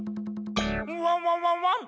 ワンワンワンワン！